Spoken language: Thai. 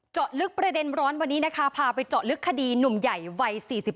เจาะลึกประเด็นร้อนวันนี้นะคะพาไปเจาะลึกคดีหนุ่มใหญ่วัย๔๒